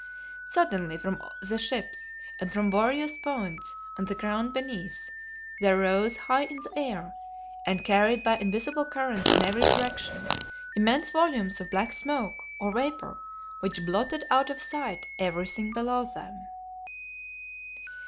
Suddenly from the ships, and from various points on the ground beneath, there rose high in the air, and carried by invisible currents in every direction, immense volumes of black smoke, or vapor, which blotted out of sight everything below them!